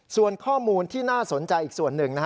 ส่วนข้อมูลที่น่าสนใจอีกส่วนหนึ่ง